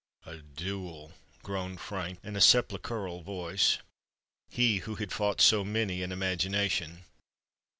"A duel!" groaned Frank, in a sepulchral voice—he who had fought so many in imagination!